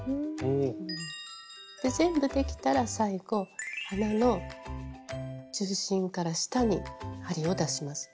全部できたら最後鼻の中心から下に針を出します。